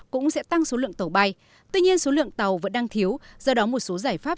cũng sẽ tăng số lượng tàu bay tuy nhiên số lượng tàu vẫn đang thiếu do đó một số giải pháp